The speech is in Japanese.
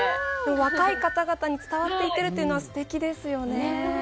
若い方々に伝わっていってるというのはすてきですよね。